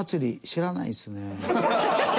知らないですね。